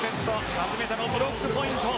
初めてのブロックポイント。